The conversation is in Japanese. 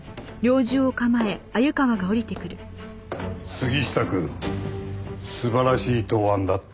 杉下くん素晴らしい答案だった。